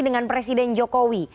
dengan presiden jokowi